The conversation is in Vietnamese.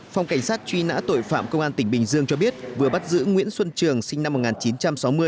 phòng cảnh sát truy nã tội phạm công an tỉnh bình dương cho biết vừa bắt giữ nguyễn xuân trường sinh năm một nghìn chín trăm sáu mươi